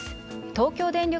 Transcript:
東京電力